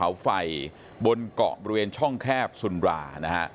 ไปให้จากผู้เคาไฟบนกะคแคบสุนรูป